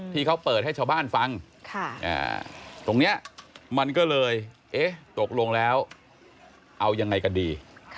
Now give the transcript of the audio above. ที่เขาเปิดให้ชาวบ้านฟังตรงนี้มันก็เลยเอ๊ะตกลงแล้วเอายังไงกันดี